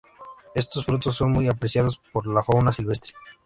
Estos frutos son muy apreciados por la fauna silvestre.